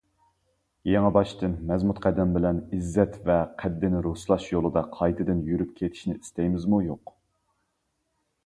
يېڭىباشتىن، مەزمۇت قەدەم بىلەن ئىززەت ۋە قەددىنى رۇسلاش يولىدا قايتىدىن يۈرۈپ كېتىشىنى ئىستەيمىزمۇ - يوق؟